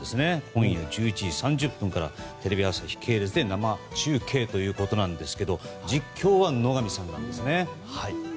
今夜１１時３０分からテレビ朝日系列で生中継ということですが実況は野上さんなんですね。